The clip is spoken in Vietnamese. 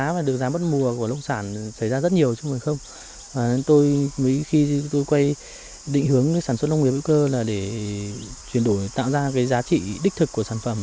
và tôi khi tôi quay định hướng sản xuất nông nghiệp hữu cơ là để chuyển đổi tạo ra cái giá trị đích thực của sản phẩm